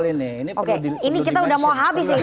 ini kita sudah mau habis nih